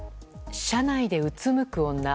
車内でうつむく女。